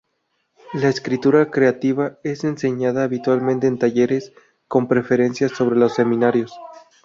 La escritura creativa es enseñada habitualmente en talleres, con preferencia sobre los seminarios.